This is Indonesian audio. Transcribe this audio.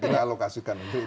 di lokasikan gitu